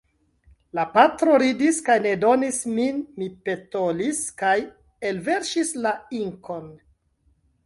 La patro ridis kaj ne donis min, mi petolis kaj elverŝis la inkon.